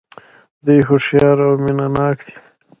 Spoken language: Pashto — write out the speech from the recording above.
دوی هوښیار او مینه ناک دي.